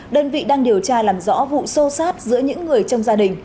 đơn vị đang điều tra làm rõ vụ sâu sát giữa những người trong gia đình